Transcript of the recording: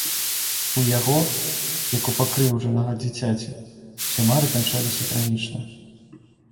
У яго, як у пакрыўджанага дзіцяці, усе мары канчаліся трагічна.